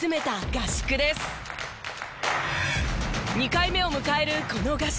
２回目を迎えるこの合宿。